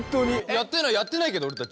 やってないやってないけど俺たち。